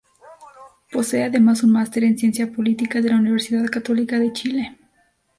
Posee además un Master en Ciencia Política de la Universidad Católica de Chile.